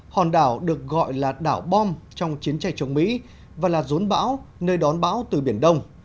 hòn đảo được gọi là đảo bom trong chiến tranh chống mỹ và là rốn bão nơi đón bão từ biển đông